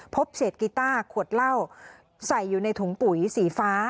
พบเศษกีต้าขวดเหล้าใส่อยู่ในถุงปุ๋ยสีฟ้า